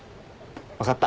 分かった。